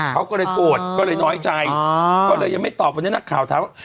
เขาก็เลยโกรธก็เลยน้อยใจก็เลยยังไม่ตอบวันนี้นักข่าวถามว่า